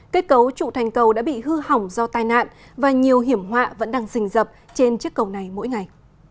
kết cấu trụ thành cầu đã bị hư hỏng do tai nạn và nhiều hiểm họa vẫn đang dình dập trên chiếc cầu này mỗi ngày